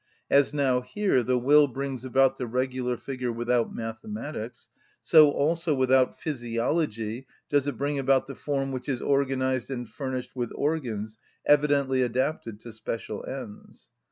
As now here the will brings about the regular figure without mathematics, so also without physiology does it bring about the form which is organised and furnished with organs evidently adapted to special ends.